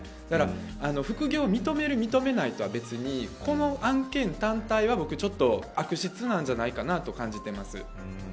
だから副業を認める認めないとは別にこの案件単体は悪質なんじゃないかなと感じています。